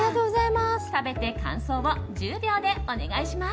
食べて感想を１０秒でお願いします。